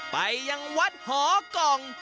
ไปยังวัดหอกล่อง